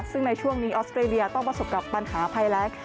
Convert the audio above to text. ซึ่งในช่วงนี้ออสเตรเลียต้องประสบกับปัญหาภัยแรง